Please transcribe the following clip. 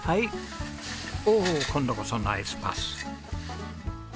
おお今度こそナイスパス。